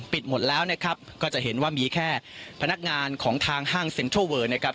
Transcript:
หมดแล้วนะครับก็จะเห็นว่ามีแค่พนักงานของทางห้างเซ็นทรัลเวอร์นะครับ